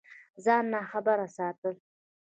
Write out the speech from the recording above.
ځان ناخبره ساتل